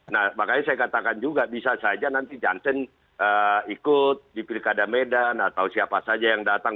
nah makanya saya katakan juga bisa saja nanti jansen ikut di pilkada medan atau siapa saja yang datang